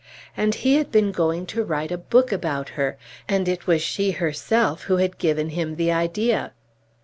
And he had been going to write a book about her, and it was she herself who had given him the idea!